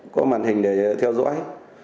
có màn hình để theo dõi